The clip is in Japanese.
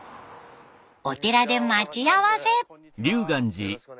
お寺で待ち合わせ。